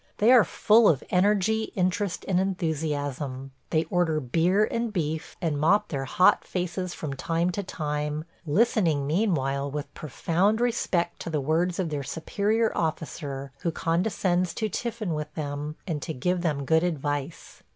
They are full of energy, interest, and enthusiasm; they order beer and beef, and mop their hot faces from time to time, listening meanwhile with profound respect to the words of their superior officer, who condescends to tiffin with them and to give them good advice.